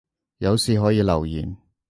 有事可以留言